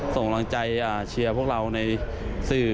ส่งกำลังใจเชียร์พวกเราในสื่อ